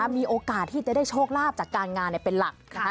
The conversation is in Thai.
มีโอกาสที่จะได้โชคลาภจากการงานเป็นหลัก